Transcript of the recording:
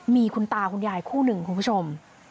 มีคุณตาคุณยายคู่หนึ่งคุณผู้ชม